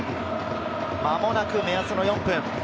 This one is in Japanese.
間もなく目安の４分。